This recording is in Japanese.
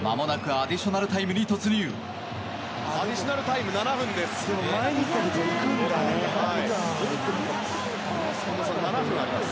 アディショナルタイム７分です。